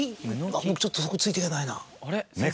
僕ちょっとそこついてけないな。